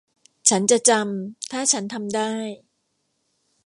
ฉันจะจำ ถ้าฉันทำได้